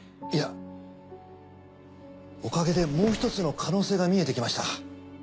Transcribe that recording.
いやおかげでもう一つの可能性が見えてきました。